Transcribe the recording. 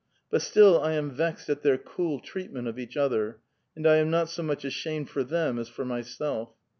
But still I am vexed at their cool treatment of each other, and I am not as much ashamed for them as for mvself.